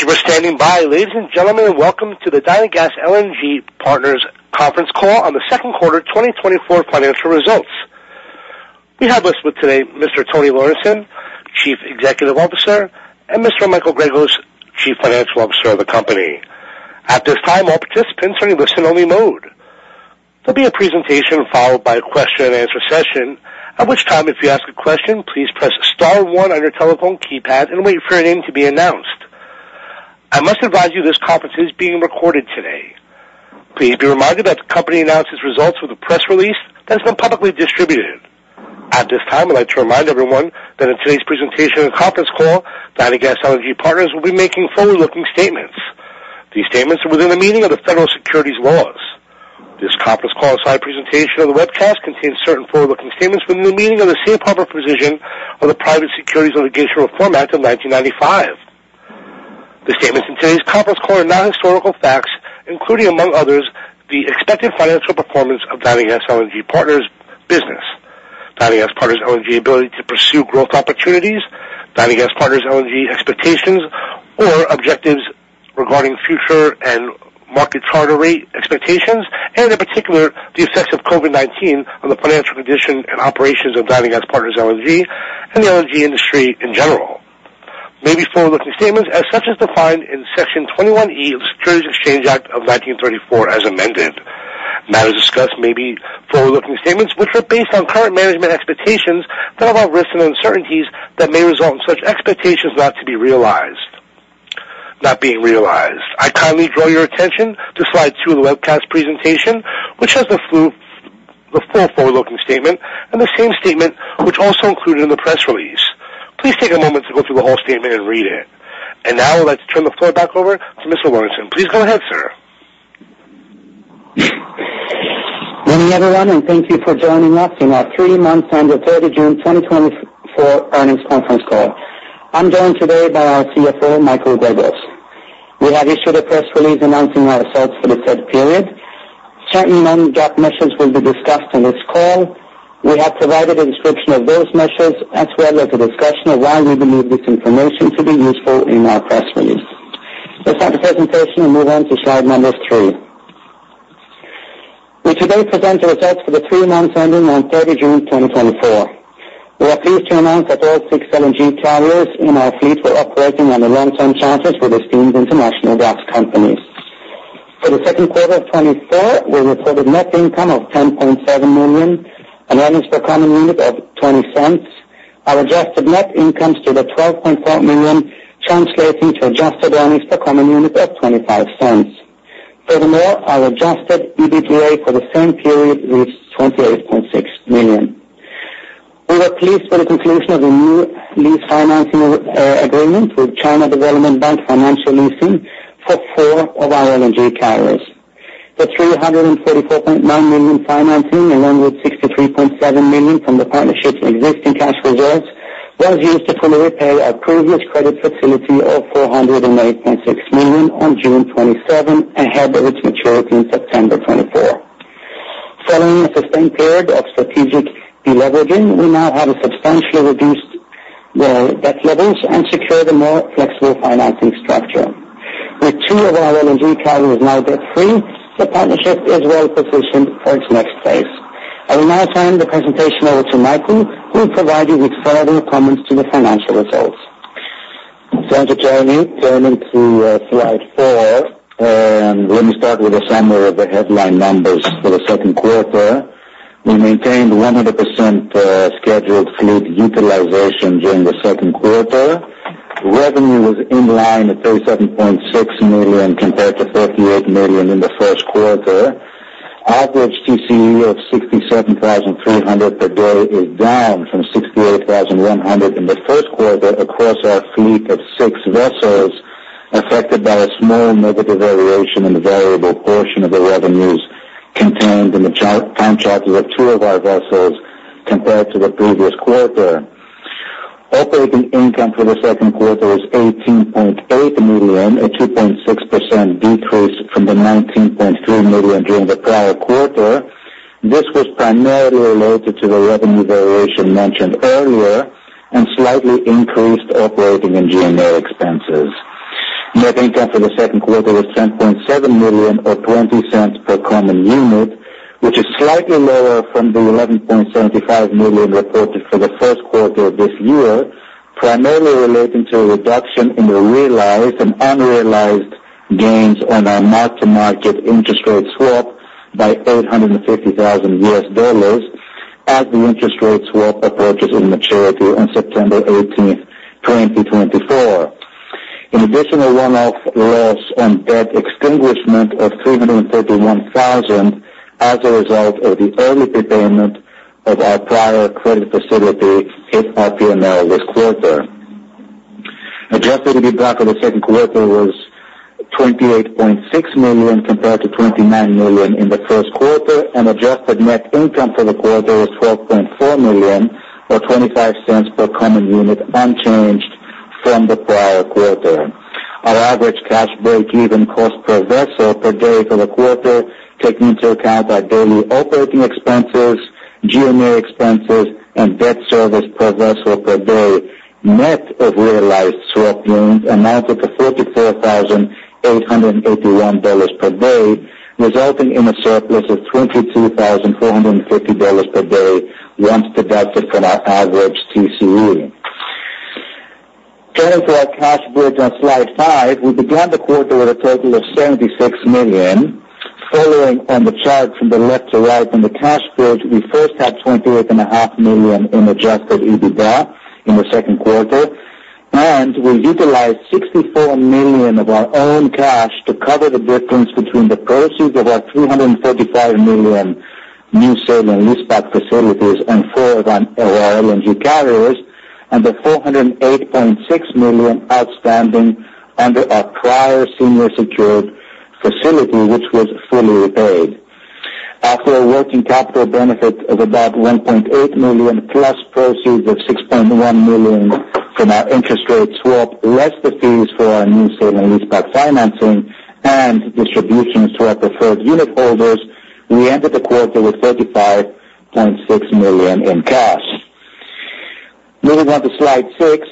Thank you for standing by, ladies and gentlemen, and welcome to the Dynagas LNG Partners conference call on the second quarter twenty twenty-four financial results. We have with us today Mr. Tony Lauritzen, Chief Executive Officer, and Mr. Michael Gregos, Chief Financial Officer of the company. At this time, all participants are in listen-only mode. There'll be a presentation followed by a question-and-answer session, at which time, if you ask a question, please press star one on your telephone keypad and wait for your name to be announced. I must advise you this conference is being recorded today. Please be reminded that the company announces results with a press release that has been publicly distributed. At this time, I'd like to remind everyone that in today's presentation and conference call, Dynagas LNG Partners will be making forward-looking statements. These statements are within the meaning of the federal securities laws. This conference call and slide presentation on the webcast contains certain forward-looking statements within the meaning of the Safe Harbor provision of the Private Securities Litigation Reform Act of 1995. The statements in today's conference call are not historical facts, including, among others, the expected financial performance of Dynagas LNG Partners business, Dynagas LNG Partners ability to pursue growth opportunities, Dynagas LNG Partners expectations or objectives regarding future and market charter rate expectations, and in particular, the effects of COVID-19 on the financial condition and operations of Dynagas LNG Partners and the LNG industry in general, may be forward-looking statements as such as defined in Section 21E of the Securities Exchange Act of 1934 as amended. Matters discussed may be forward-looking statements which are based on current management expectations that are about risks and uncertainties that may result in such expectations not to be realized, not being realized. I kindly draw your attention to slide two of the webcast presentation, which has the full forward-looking statement and the same statement which also included in the press release. Please take a moment to go through the whole statement and read it. And now let's turn the floor back over to Mr. Lauritzen. Please go ahead, sir. Good morning, everyone, and thank you for joining us in our three months ended thirtieth of June 2024 earnings conference call. I'm joined today by our CFO, Michael Gregos. We have issued a press release announcing our results for the said period. Certain non-GAAP measures will be discussed on this call. We have provided a description of those measures as well as a discussion of why we believe this information to be useful in our press release. Let's start the presentation and move on to slide number three. We today present the results for the three months ending on thirtieth of June 2024. We are pleased to announce that all six LNG carriers in our fleet were operating on the long-term charters with esteemed international gas companies. For the second quarter of 2024, we reported net income of $10.7 million and earnings per common unit of $0.20. Our adjusted net income totaled $12.4 million, translating to adjusted earnings per common unit of $0.25. Furthermore, our Adjusted EBITDA for the same period is $28.6 million. We were pleased by the conclusion of a new lease financing agreement with China Development Bank Financial Leasing for four of our LNG carriers. The $344.9 million financing, along with $63.7 million from the partnership's existing cash reserves, was used to fully repay our previous credit facility of $408.6 million on June 27 ahead of its maturity in September 2024. Following a sustained period of strategic deleveraging, we now have a substantially reduced our debt levels and secured a more flexible financing structure. With two of our LNG carriers now debt free, the partnership is well positioned for its next phase. I will now turn the presentation over to Michael, who will provide you with further comments to the financial results. Thank you, Tony. Turning to slide 4, and let me start with a summary of the headline numbers for the second quarter. We maintained 100% scheduled fleet utilization during the second quarter. Revenue was in line at $37.6 million compared to $38 million in the first quarter. Average TCE of $67,300 per day is down from $68,100 in the first quarter across our fleet of six vessels, affected by a small negative variation in the variable portion of the revenues contained in the time charter of two of our vessels compared to the previous quarter. Operating income for the second quarter was $18.8 million, a 2.6% decrease from the $19.3 million during the prior quarter. This was primarily related to the revenue variation mentioned earlier and slightly increased operating and general expenses. Net income for the second quarter was $10.7 million or $0.20 per common unit, which is slightly lower from the $11.75 million reported for the first quarter of this year, primarily relating to a reduction in the realized and unrealized gains on our mark-to-market interest rate swap by $850,000 as the interest rate swap approaches maturity on September eighteenth, 2024. An additional one-off loss on debt extinguishment of $331,000 as a result of the early prepayment of our prior credit facility hit our P&L this quarter. Adjusted EBITDA for the second quarter was $28.6 million, compared to $29 million in the first quarter, and Adjusted Net Income for the quarter was $12.4 million, or $0.25 per common unit, unchanged from the prior quarter. Our average cash breakeven cost per vessel per day for the quarter, taking into account our daily operating expenses, G&A expenses and debt service per vessel per day, net of realized swap gains amounted to $44,881 per day, resulting in a surplus of $22,450 per day, once deducted from our average TCE. Turning to our cash bridge on slide five, we began the quarter with a total of $76 million. Following on the chart from the left to right on the cash bridge, we first had $28.5 million in Adjusted EBITDA in the second quarter, and we utilized $64 million of our own cash to cover the difference between the proceeds of our $345 million new sale and leaseback facilities on four of our LNG carriers and the $408.6 million outstanding under our prior senior secured facility, which was fully repaid. After a working capital benefit of about $1.8 million, plus proceeds of $6.1 million from our interest rate swap, less the fees for our new sale and leaseback financing and distributions to our preferred unitholders, we ended the quarter with $35.6 million in cash. Moving on to slide six.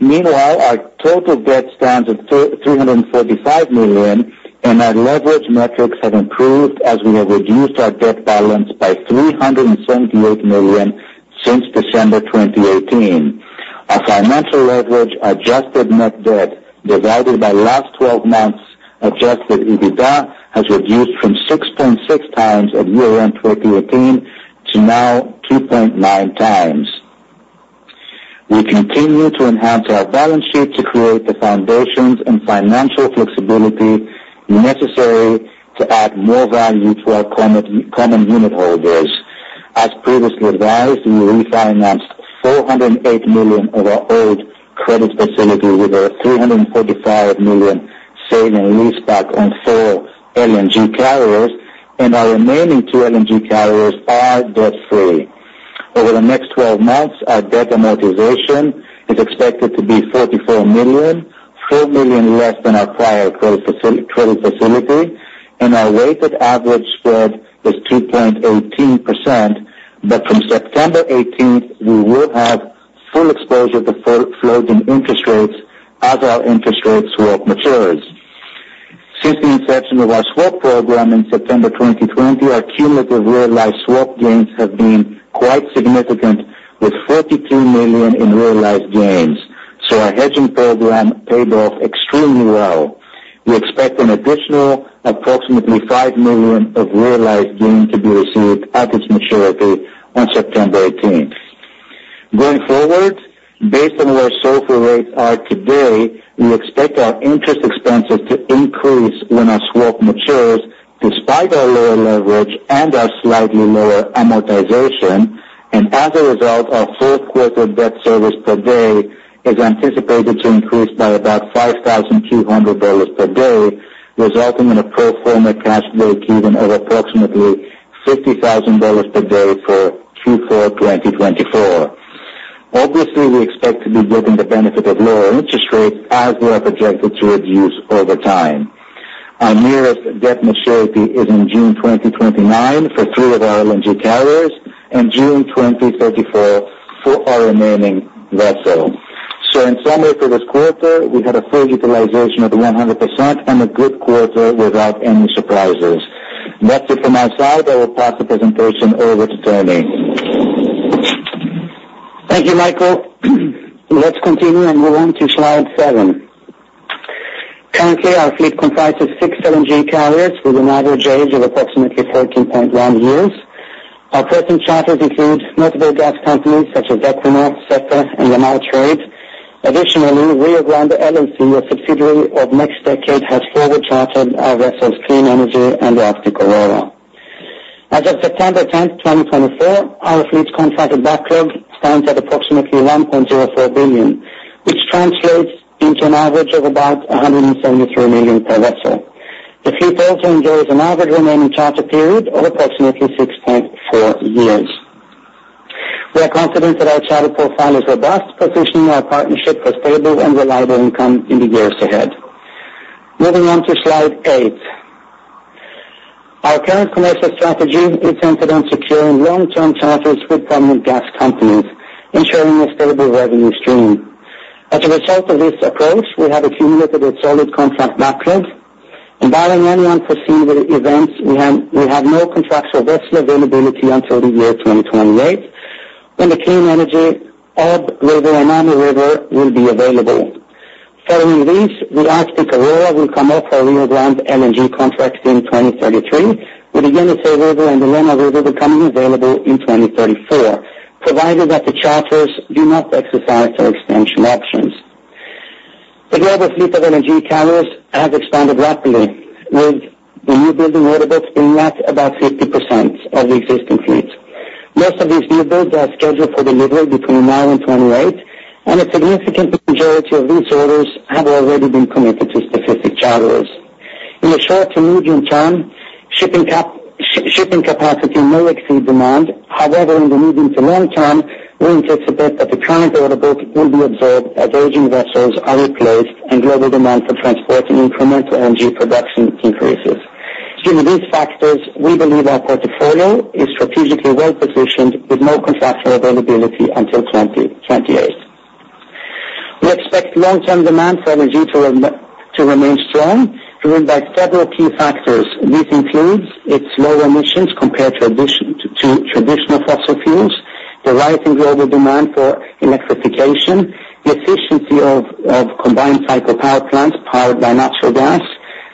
Meanwhile, our total debt stands at $345 million, and our leverage metrics have improved as we have reduced our debt balance by $378 million since December 2018. Our financial leverage, Adjusted net debt divided by last twelve months Adjusted EBITDA, has reduced from 6.6 times at year-end 2018 to now 2.9 times. We continue to enhance our balance sheet to create the foundations and financial flexibility necessary to add more value to our common unitholders. As previously advised, we refinanced $408 million of our old credit facility with our $345 million sale and leaseback on four LNG carriers, and our remaining two LNG carriers are debt free. Over the next twelve months, our debt amortization is expected to be $44 million, $4 million less than our prior credit facility, and our weighted average spread is 2.18%. But from September eighteenth, we will have full exposure to floating interest rates as our interest rate swap matures. Since the inception of our swap program in September 2020, our cumulative realized swap gains have been quite significant, with $42 million in realized gains. So our hedging program paid off extremely well. We expect an additional approximately $5 million of realized gains to be received at its maturity on September eighteenth. Going forward, based on where SOFR rates are today, we expect our interest expenses to increase when our swap matures, despite our lower leverage and our slightly lower amortization. As a result, our fourth quarter debt service per day is anticipated to increase by about $5,200 per day, resulting in a pro forma cash breakeven of approximately $50,000 per day for Q4 2024. Obviously, we expect to be getting the benefit of lower interest rates as we are projected to reduce over time. Our nearest debt maturity is in June 2029 for three of our LNG carriers and June 2034 for our remaining vessel. In summary, for this quarter, we had a full utilization of 100% and a good quarter without any surprises. That's it from my side. I will pass the presentation over to Tony. Thank you, Michael. Let's continue and move on to slide seven. Currently, our fleet comprises six LNG carriers with an average age of approximately 13.1 years. Our present charters include multiple gas companies such as Equinor, SEFE, and Yamal Trade. Additionally, Rio Grande LNG, a subsidiary of NextDecade, has forward chartered our vessels, Clean Energy and Arctic Aurora. As of September tenth, 2024, our fleet's contracted backlog stands at approximately $1.04 billion, which translates into an average of about $173 million per vessel. The fleet also enjoys an average remaining charter period of approximately 6.4 years. We are confident that our charter profile is robust, positioning our partnership for stable and reliable income in the years ahead. Moving on to slide eight. Our current commercial strategy is centered on securing long-term charters with permanent gas companies, ensuring a stable revenue stream. As a result of this approach, we have accumulated a solid contract backlog, and barring any unforeseen events, we have no contractual vessel availability until the year 2028, when the Clean Energy, Ob River, and Amur River will be available. Following this, the Arctic Aurora will come off our Rio Grande LNG contract in 2033, with the Yenisei River and the Lena River becoming available in 2034, provided that the charters do not exercise their expansion options. The global fleet of LNG carriers has expanded rapidly, with the newbuilding order books being at about 50% of the existing fleet. Most of these new builds are scheduled for delivery between now and 2028, and a significant majority of these orders have already been committed to specific charters. In the short to medium term, shipping capacity may exceed demand. However, in the medium to long term, we anticipate that the current order book will be absorbed as aging vessels are replaced and global demand for transporting incremental energy production increases. Given these factors, we believe our portfolio is strategically well-positioned, with no contractual availability until 2028. We expect long-term demand for LNG to remain strong, driven by several key factors. This includes its low emissions compared to, in addition to, traditional fossil fuels, the rising global demand for electrification, the efficiency of combined cycle power plants powered by natural gas,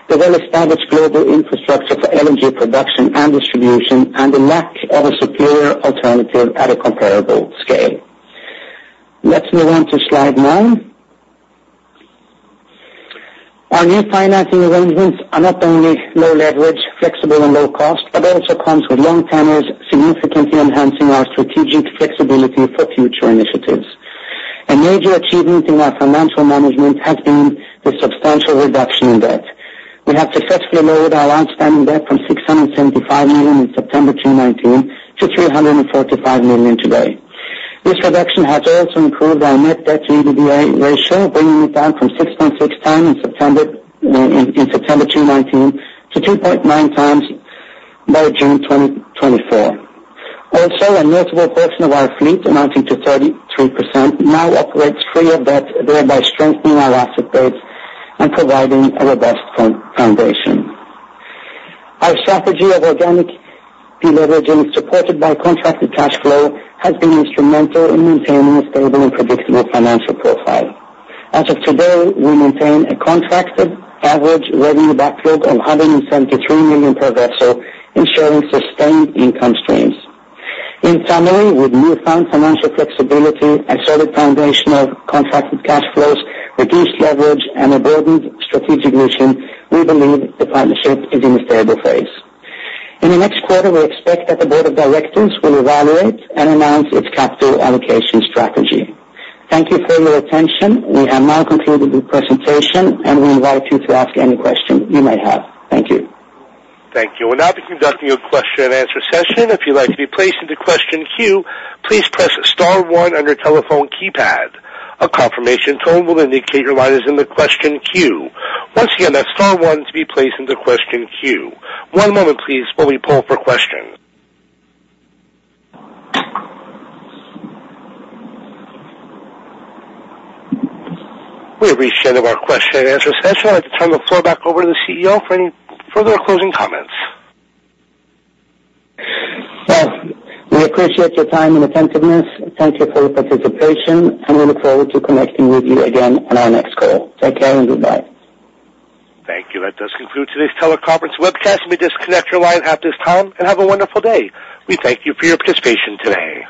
the well-established global infrastructure for LNG production and distribution, and the lack of a superior alternative at a comparable scale. Let's move on to Slide 9. Our new financing arrangements are not only low leverage, flexible and low cost, but also comes with long tenures, significantly enhancing our strategic flexibility for future initiatives. A major achievement in our financial management has been the substantial reduction in debt. We have successfully lowered our outstanding debt from $675 million in September 2019 to $345 million today. This reduction has also improved our net debt to EBITDA ratio, bringing it down from six point six times in September 2019 to two point nine times by June 2024. Also, a notable portion of our fleet, amounting to 33%, now operates free of debt, thereby strengthening our asset base and providing a robust foundation. Our strategy of organic deleveraging, supported by contracted cash flow, has been instrumental in maintaining a stable and predictable financial profile. As of today, we maintain a contracted average revenue backlog of $173 million per vessel, ensuring sustained income streams. In summary, with newfound financial flexibility, a solid foundation of contracted cash flows, reduced leverage, and a broadened strategic mission, we believe the partnership is in a stable phase. In the next quarter, we expect that the board of directors will evaluate and announce its capital allocation strategy. Thank you for your attention. We have now concluded the presentation, and we invite you to ask any questions you may have. Thank you. Thank you. We'll now be conducting a question-and-answer session. If you'd like to be placed into question queue, please press star one on your telephone keypad. A confirmation tone will indicate your line is in the question queue. Once again, that's star one to be placed into question queue. One moment, please, while we poll for questions. We've reached the end of our question-and-answer session. I'd like to turn the floor back over to the CEO for any further closing comments. We appreciate your time and attentiveness. Thank you for your participation, and we look forward to connecting with you again on our next call. Take care, and goodbye. Thank you. That does conclude today's teleconference webcast. You may disconnect your line at this time, and have a wonderful day. We thank you for your participation today.